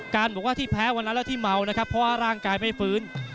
การบอกว่าที่แพ้วันนั้นแล้วที่เมานะครับเพราะว่าร่างกายไม่ฟื้น